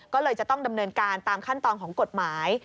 ก็เลยจะต้องดำเนินการตามขั้นตอนของกฎหมาย